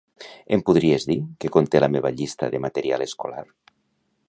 Em podries dir què conté la meva llista de material escolar?